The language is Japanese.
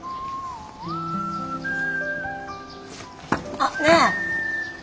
あっねえ。